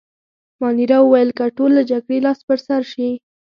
مانیرا وویل: که ټول له جګړې لاس په سر شي.